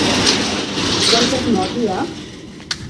Quantes morts hi ha?